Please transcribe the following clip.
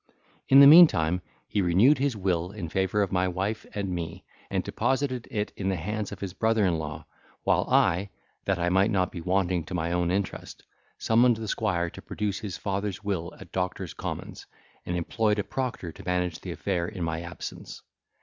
In the meantime he renewed his will in favour of my wife and me, and deposited it in the hands of his brother in law: while I (that I might not be wanting to my own interest) summoned the squire to produce his father's will at Doctors' Commons, and employed a proctor to manage the affair in my absence.